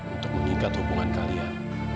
untuk mengikat hubungan kalian